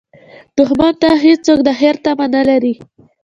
دښمن ته هېڅوک د خیر تمه نه لري